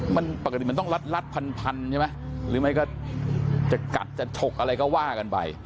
มันปกติมันต้องลัดพันใช่ไหมหรือไม่ก็จะกัดจะฉกอะไรก็ว่ากันไป